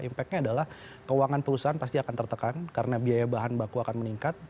impactnya adalah keuangan perusahaan pasti akan tertekan karena biaya bahan baku akan meningkat